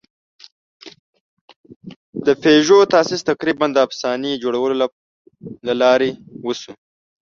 د پيژو تاسیس تقریباً د افسانې جوړولو له لارې وشو.